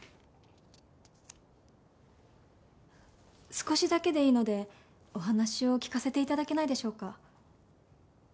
少しだけでいいのでお話を聞かせて頂けないでしょうか？